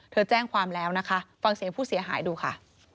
แจ้งความแล้วนะคะฟังเสียงผู้เสียหายดูค่ะ